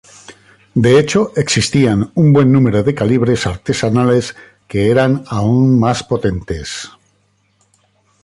De hecho, existían un buen número de calibres artesanales que eran aún más potentes.